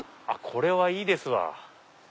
これはいいですわ。